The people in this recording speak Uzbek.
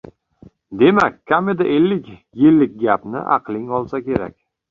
Demak, kamida ellik yillik gapni aqling olsa kerak.